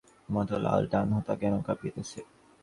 হরিহরের চোখ দুটা জবাফুলের মতো লাল, ডান হাতখানা যেন কাঁপিতেছে।